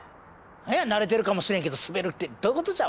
何や慣れてるかもしれんけど滑るってどういうことじゃ？